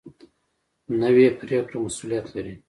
نوې پرېکړه مسؤلیت لري